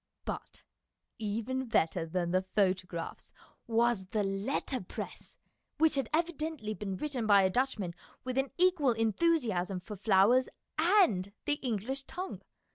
But even better than the photographs was the letterpress, which had evidently been written by a Dutchman with an equal enthusiasm for flowers and the English tongue.